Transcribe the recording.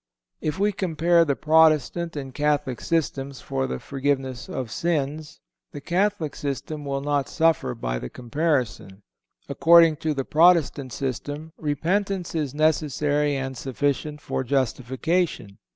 If we compare the Protestant and Catholic systems for the forgiveness of sins, the Catholic system will not suffer by the comparison. According to the Protestant system, repentance is necessary and sufficient for justification.